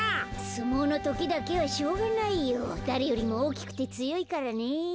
すもうのときだけはしょうがないよ。だれよりもおおきくてつよいからねえ。